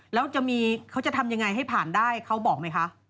แล้วเขาจะทำยังไงให้ผ่านได้เขาบอกไหมคะ